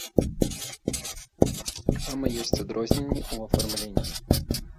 Таксама ёсць адрозненні ў афармленні.